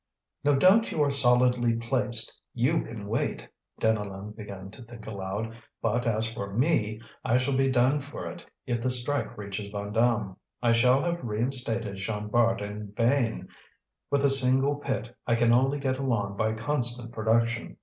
"No doubt you are solidly placed, you can wait," Deneulin began to think aloud. "But as for me, I shall be done for if the strike reaches Vandame. I shall have reinstalled Jean Bart in vain; with a single pit, I can only get along by constant production.